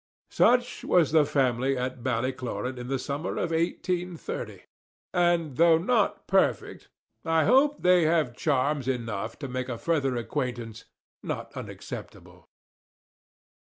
Such was the family at Ballycloran in the summer of 183 , and though not perfect, I hope they have charms enough to make a further acquaintance not unacceptable.